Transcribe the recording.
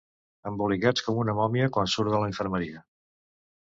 Embolicats com una mòmia quan surt de l'infermeria.